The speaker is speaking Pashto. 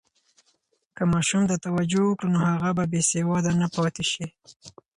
که ماشوم ته توجه وکړو، نو هغه به بې سواده نه پاتې شي.